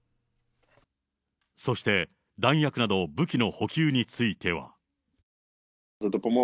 そして弾薬など武器の補給については。